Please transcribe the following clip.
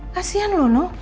kasian loh noh